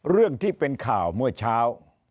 เรื่องที่เป็นข่าวเมื่อเช้า